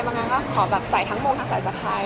บางอันก็ขอแบบใส่ทั้งหมดอักใส่สะพายด้วย